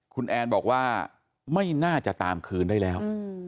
คุณแอนบอกว่าไม่น่าจะตามคืนได้แล้ว